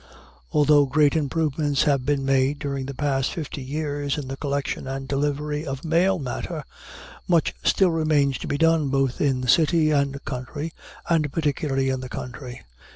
Although great improvements have been made during the past fifty years in the collection and delivery of mail matter, much still remains to be done both in city and country, and particularly in the country.